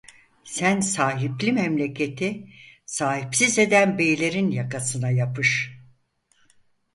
Sen sahipli memleketi sahipsiz eden beylerin yakasına yapış…